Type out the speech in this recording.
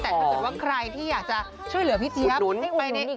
แต่ถ้าใครที่อยากจะช่วยเหลือพี่เจี๊ยบ